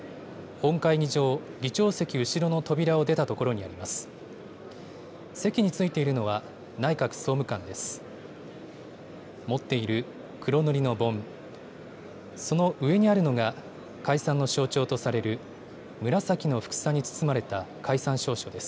本会議場、議長席後ろの扉を出た所にあります。